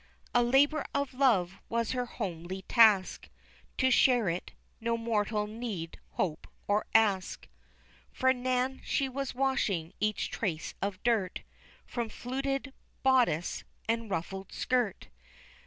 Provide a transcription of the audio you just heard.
A labor of love was her homely task To share it, no mortal need hope or ask, For Nan she was washing each trace of dirt From fluted bodice, and ruffled skirt.